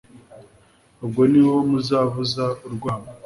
ubwo ni ho muzavuza urwamo